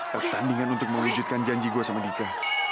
pertandingan untuk mewujudkan janji gue sama dika